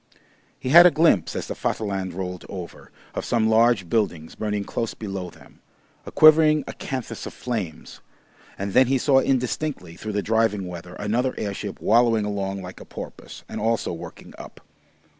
He had a glimpse, as the Vaterland rolled over, of some large buildings burning close below them, a quivering acanthus of flames, and then he saw indistinctly through the driving weather another airship wallowing along like a porpoise, and also working up.